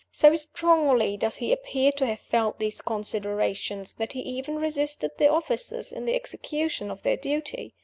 So strongly does he appear to have felt these considerations, that he even resisted the officers in the execution of their duty.